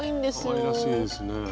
かわいらしいですね。